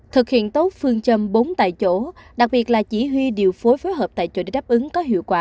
thực hiện tốt phương châm bốn tại chỗ đặc biệt là chỉ huy điều phối phối hợp tại chỗ để đáp ứng có hiệu quả